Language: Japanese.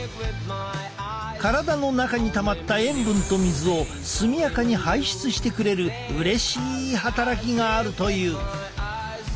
体の中にたまった塩分と水を速やかに排出してくれるうれしい働きがあるという。